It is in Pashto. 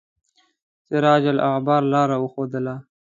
سراج الاخبار لاره ښودله.